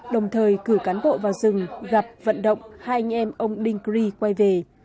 đồng thời cử cán bộ vào rừng gặp vận động hai anh em ông đinh cry quay về